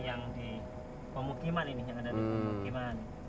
yang di pemukiman ini yang ada di pemukiman